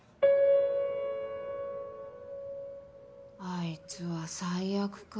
「あいつは最悪」か。